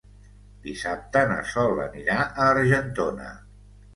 Dissabte na Sol anirà a Argentona.